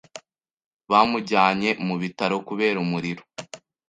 Bamujyanye mu bitaro kubera umuriro.